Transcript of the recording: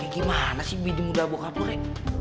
gimana sih bini muda bokap lo re